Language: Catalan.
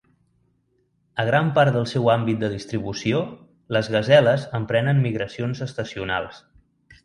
A gran part del seu àmbit de distribució, les gaseles emprenen migracions estacionals.